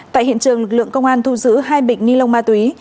tại hiện trường lực lượng công an thu giữ hai bịch ni lông ma túy